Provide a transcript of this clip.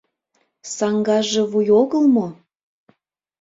Саҥгаже вуй огыл мо?